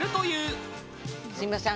すみません。